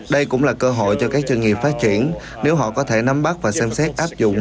đây cũng là cơ hội cho các doanh nghiệp phát triển nếu họ có thể nắm bắt và xem xét áp dụng